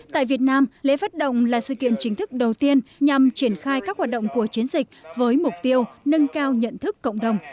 tại việt nam lễ phát động là sự kiện chính thức đầu tiên nhằm triển khai các hoạt động của chiến dịch với mục tiêu nâng cao nhận thức cộng đồng